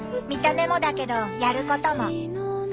見た目もだけどやることも。